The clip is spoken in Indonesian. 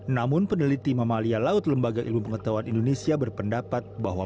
namun peneliti mamalia laut lembaga ilmu pengetahuan indonesia berpendapat bahwa